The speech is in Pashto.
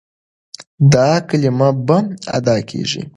دا کلمه بم ادا کېږي.